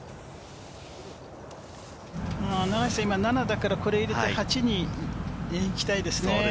永井さん、今７だから、これ入れて８に行きたいですね。